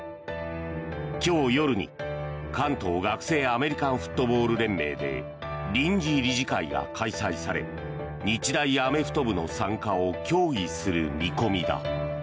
今日夜に、関東学生アメリカンフットボール連盟で臨時理事会が開催され日大アメフト部の参加を協議する見込みだ。